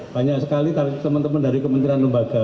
banyak sekali teman teman dari kementerian lembaga